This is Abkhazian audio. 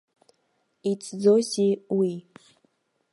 Иҵӡозеи уи!